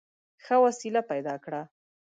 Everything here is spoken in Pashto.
ښه وسیله پیدا کړه.